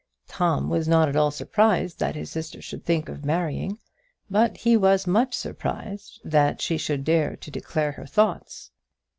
Tom was not at all surprised that his sister should think of marrying, but he was much surprised that she should dare to declare her thoughts.